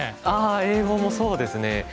ああ英語もそうですね。